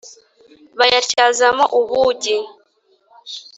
bayatyazamo ubugi